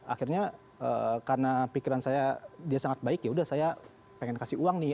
akhirnya karena pikiran saya dia sangat baik yaudah saya pengen kasih uang nih